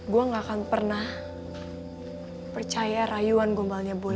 gue gak akan percaya sama omongan gombalnya boy